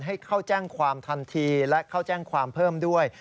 ให้เข้าแจ้งความทันทีและเข้าแจ้งความเพิ่มด้วย